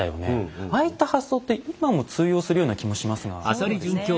ああいった発想って今も通用するような気もしますがいかがでしょう？